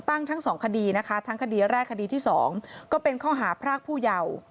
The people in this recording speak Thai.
ทั้งสองคดีนะคะทั้งคดีแรกคดีที่๒ก็เป็นข้อหาพรากผู้เยาว์